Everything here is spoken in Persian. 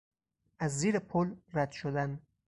از زیر پل رد شدن